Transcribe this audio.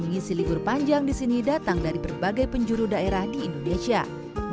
mengisi libur panjang di sini datang dari berbagai penjuru daerah di indonesia